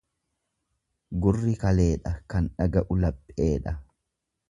Gurri kaleedha kan dhaga'u lapheedha.